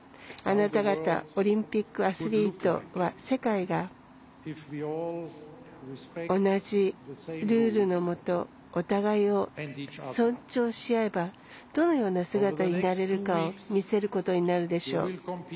あなた方オリンピックアスリートは世界が同じルールのもとお互いを尊重し合えばどのような姿になれるかを見せることになるでしょう。